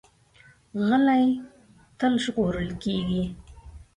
غلی، تل ژغورل کېږي.